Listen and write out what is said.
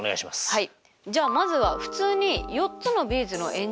はい。